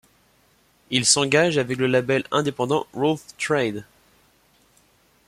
Ils s'engagent avec le label indépendant Rough Trade.